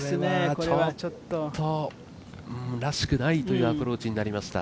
これはちょっと、らしくないというアプローチになりました。